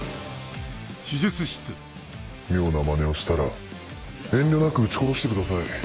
妙なまねをしたら遠慮なく撃ち殺してください。